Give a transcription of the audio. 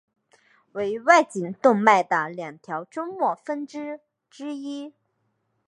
为外颈动脉的两条终末分支之一。